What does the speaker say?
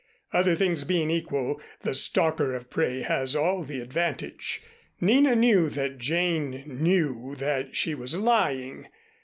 Other things being equal, the stalker of prey has all the advantage. Nina knew that Jane knew that she was lying.